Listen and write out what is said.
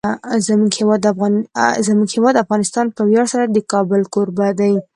زموږ هیواد افغانستان په ویاړ سره د کابل کوربه دی.